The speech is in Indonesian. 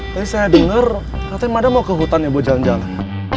tapi saya dengar katanya mada mau ke hutan ya buat jalan jalan